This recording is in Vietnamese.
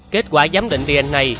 kết quả giám định dna